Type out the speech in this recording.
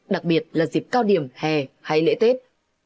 đặc biệt là dịp cao điểm hè hay lễ tết